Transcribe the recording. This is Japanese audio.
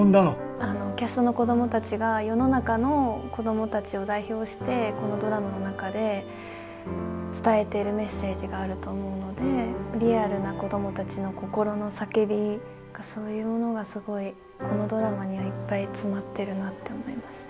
あのキャストの子どもたちが世の中の子どもたちを代表してこのドラマの中で伝えてるメッセージがあると思うのでリアルな子どもたちの心の叫びがそういうものがすごいこのドラマにはいっぱい詰まってるなって思いました。